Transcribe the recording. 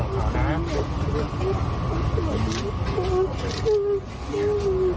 ขอบคุณครับ